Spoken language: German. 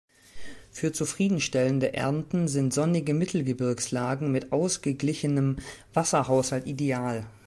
Für zufriedenstellende Ernten sind sonnige Mittelgebirgslagen mit ausgeglichenem Wasserhaushalt ideal.